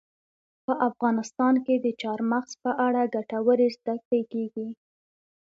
په افغانستان کې د چار مغز په اړه ګټورې زده کړې کېږي.